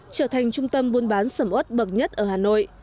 trở thành trung tâm buôn bán sầm ớt bậc nhất ở hà nội